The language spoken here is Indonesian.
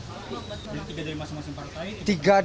jadi tiga dari masing masing partai